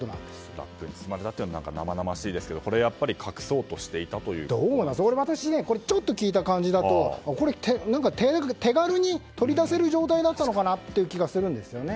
ラップに包まれたというのは何か生々しいですけどちょっと聞いた感じだと手軽に取り出せる状態だったのかなという気がするんですよね。